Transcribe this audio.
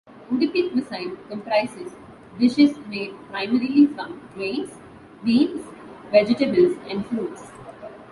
Udupi cuisine comprises dishes made primarily from grains, beans, vegetables, and fruits.